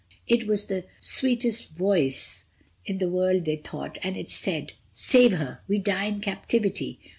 It was the sweetest voice in the world they thought, and it said: "Save her. We die in captivity."